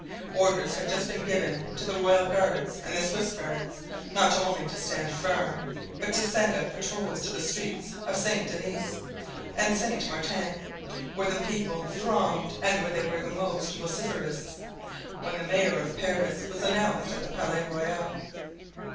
Orders had just been given to the royal guards and the Swiss guards, not only to stand firm, but to send out patrols to the streets of Saint Denis and Saint Martin, where the people thronged and where they were the most vociferous, when the mayor of Paris was announced at the Palais Royal.